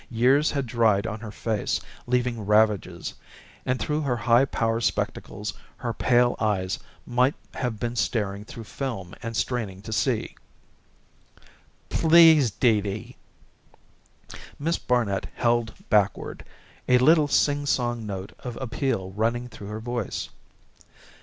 Years had dried on her face, leaving ravages, and through her high power spectacles her pale eyes might have been staring through film and straining to see. "Please, Dee Dee!" Miss Barnet held backward, a little singsong note of appeal running through her voice.